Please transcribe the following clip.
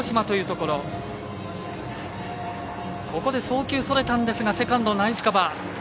ここで送球それたんですがセカンド、ナイスカバー。